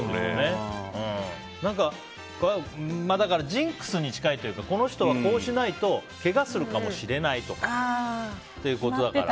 ジンクスに近いというかこの人はこうしないとけがするかもしれないとかって。